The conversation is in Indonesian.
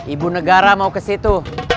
ibu negara mau ke situ